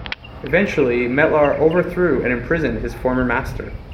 Eventually, Metlar overthrew and imprisoned his former master.